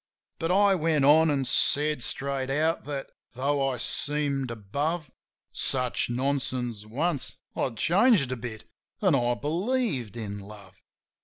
But I went on, an' said straight out that, tho' I seemed above Such nonsense once, I'd changed a bit, an' I believed in love.